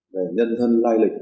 về nhân thân lai lịch